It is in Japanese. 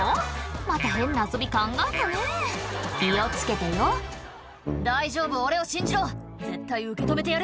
また変な遊び考えたね気を付けてよ「大丈夫俺を信じろ絶対受け止めてやる」